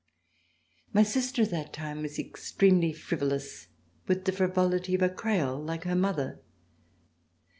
My sister at that time was extremely frivolous, with the frivolity of a Creole like her mother.